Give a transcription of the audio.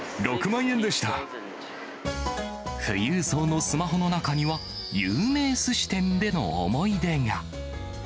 富裕層のスマホの中には、有名すし店での思い出が。